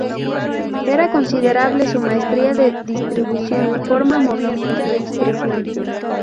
Era considerable su maestría de distribución, forma, movimiento y expresión.